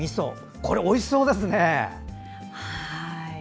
これ、おいしそうですね。